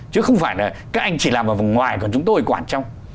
chứ không phải là các anh chỉ làm vào vòng ngoài còn chúng tôi quản trong